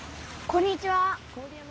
こんにちは。